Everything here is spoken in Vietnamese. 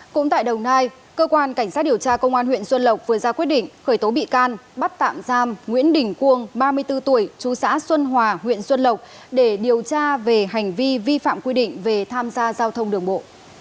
cũng tại đồng nai cơ quan cảnh sát điều tra công an huyện xuân lộc vừa ra quyết định khởi tố bị can bắt tạm giam nguyễn đình quân ba mươi bốn tuổi chú xã xuân hòa huyện xuân lộc để điều tra về hành vi vi phạm quy định về tham gia giao thông đường bộ